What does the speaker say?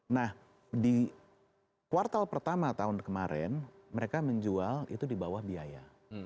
nah di kuartal pertama tahun kemarin mereka menjual itu di bawah biaya